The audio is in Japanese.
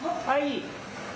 はい。